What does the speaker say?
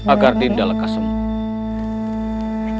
agar dinda lekas semua